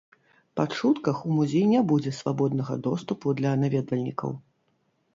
Па чутках у музей не будзе свабоднага доступу для наведвальнікаў.